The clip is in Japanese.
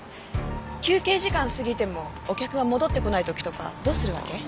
休憩時間過ぎてもお客が戻ってこない時とかどうするわけ？